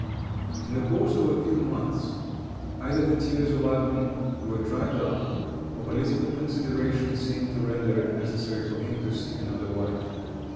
In the course of a few months, either the tears of Ivan were dried up, or political considerations seemed to render it necessary for him to seek another wife.